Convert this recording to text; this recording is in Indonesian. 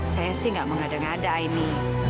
saya sih gak mau ngada ngada aini